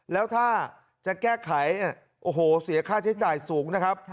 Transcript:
แล้วถ้าจะแก้ไขโอ้โหเสียค่าใช้จ่ายสูงนะครับ